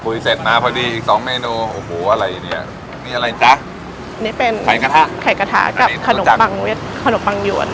พูดที่เสร็จมาพอดีอีก๒เมนูโอ้โหอะไรอย่างนี้มีอะไรจ๊ะไข่กระทะกับขนมปังเวียดนามขนมปังหยวน